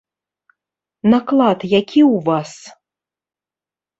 Наклад які ў вас?